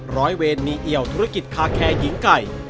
ร้อยเวรมีเอี่ยวธุรกิจคาแคร์หญิงไก่